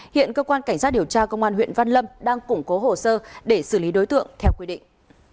hiện cơ quan cảnh sát điều tra công an huyện văn lâm đang củng cố hồ sơ để xử lý đối tượng theo quy định